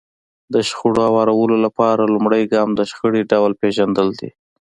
د شخړې هوارولو لپاره لومړی ګام د شخړې ډول پېژندل دي.